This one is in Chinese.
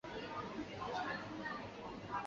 卢津定理是实分析的定理。